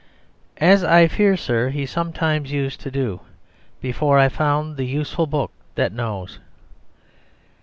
"As I fear, sir, he sometimes used to do Before I found the useful book that knows."